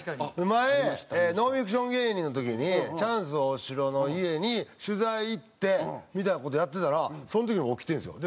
前ノンフィクション芸人の時にチャンス大城の家に取材行ってみたいな事やってたらその時に起きてるんですよ。